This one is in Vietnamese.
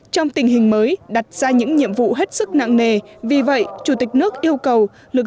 trong tình hình mới đặt ra những nhiệm vụ hết sức nặng nề vì vậy chủ tịch nước yêu cầu